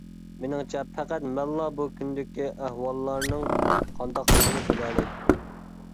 مېنىڭچە پەقەت مەنلا بۇ كۈندىكى ئەھۋاللارنىڭ قانداقلىقىنى بىلەلەيتتىم.